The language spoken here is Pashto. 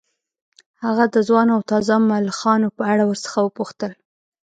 هغه د ځوانو او تازه ملخانو په اړه ورڅخه وپوښتل